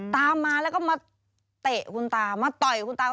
ตามมาแล้วก็มาเตะคุณตามาต่อยคุณตา